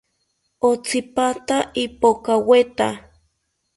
Otsipata ipokaweta